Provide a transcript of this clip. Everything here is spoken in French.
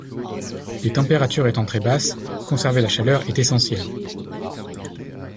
Les températures étant très basses, conserver la chaleur est essentiel.